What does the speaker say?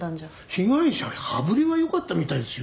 被害者羽振りが良かったみたいですよ。